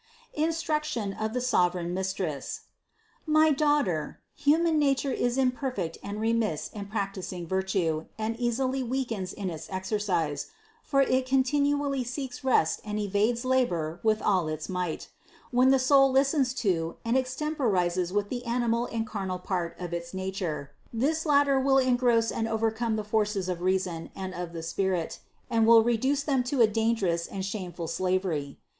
INSTRUCTION OF THE SOVEREIGN MISTRESS. 477. My daughter, human nature is imperfect and re miss in practicing virtue, and easily weakens in its exer cise ; for it continually seeks rest and evades labor with all its might. When the soul listens to and extemporizes with the animal and carnal part of its nature this latter will en gross and overcome the forces of reason and of the spirit, and will reduce them to a dangerous and shameful slavery.